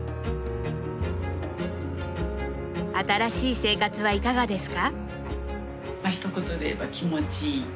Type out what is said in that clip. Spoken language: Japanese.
新しい生活はいかがですか？